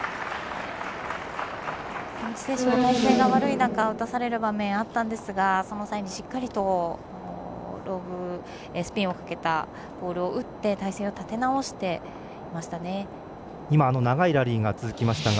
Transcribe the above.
上地選手、体勢が悪い中打たされる場面があったんですがその際もしっかりとロブでスピンをかけたボールを打って体勢を立て直していましたね。